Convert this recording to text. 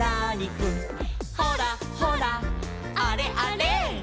「ほらほらあれあれ」